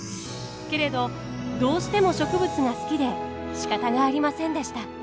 けれどどうしても植物が好きでしかたがありませんでした。